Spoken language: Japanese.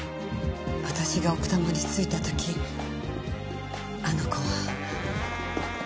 私が奥多摩に着いた時あの子は。